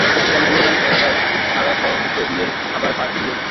Italy বুড়ো জাত, একবার সাড়াশব্দ দিয়ে আবার পাশ ফিরে শুলো।